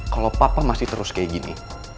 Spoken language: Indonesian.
kalau papa masih terus kayak gini